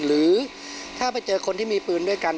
หรือถ้าไปเจอคนที่มีปืนด้วยกัน